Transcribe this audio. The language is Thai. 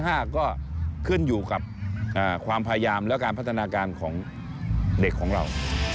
ก็ขึ้นอยู่กับความพยายามและการพัฒนาการของเด็กของเรา